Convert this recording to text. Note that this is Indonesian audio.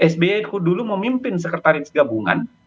sby dulu memimpin sekretaris gabungan